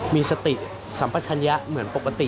มีสติสัมปัชญะเหมือนปกติ